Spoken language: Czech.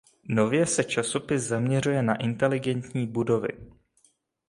Nově se časopis zaměřuje na inteligentní budovy.